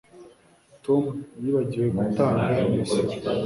Tom yibagiwe gutanga imisoro